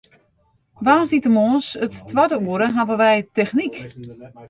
Woansdeitemoarns it twadde oere hawwe wy technyk.